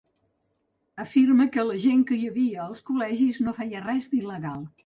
Afirma que la gent que hi havia als col·legis no feia res d’il·legal.